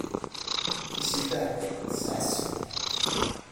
Tissist-a tesɛa ssem?